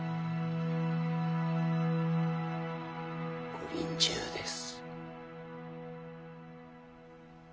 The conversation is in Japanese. ご臨終です。